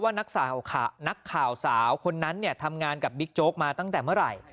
นักข่าวสาวคนนั้นทำงานกับบิ๊กโจ๊กมาตั้งแต่เมื่อไหร่